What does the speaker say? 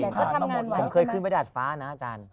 ผมเคยขึ้นไปดาดฟ้านะอาจารย์